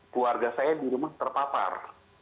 keluarga saya di rumah terpapar